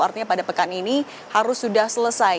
artinya pada pekan ini harus sudah selesai